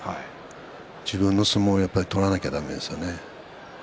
自分の相撲を取らなきゃだめですね。